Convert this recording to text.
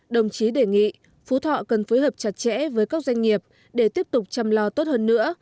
đồng chí đề nghị phú thọ cần phối hợp chặt chẽ với các doanh nghiệp để tiếp tục chăm lo tốt hơn nữa